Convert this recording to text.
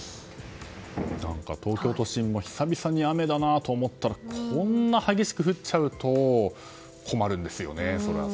東京都心も久々に雨だなと思ったらこんな激しく降っちゃうと困るんですよね。